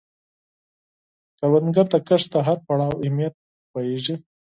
کروندګر د کښت د هر پړاو اهمیت پوهیږي